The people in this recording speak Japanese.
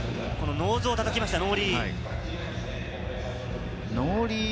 ノーズをたたきました、ノーリー。